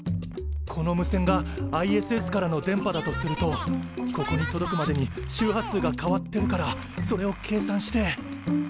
この無線がＩＳＳからの電波だとするとここに届くまでに周波数が変わってるからそれを計算して。